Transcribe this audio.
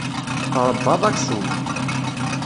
Tṛebbaḍ aksum.